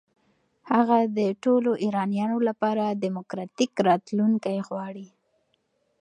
هغه د ټولو ایرانیانو لپاره دموکراتیک راتلونکی غواړي.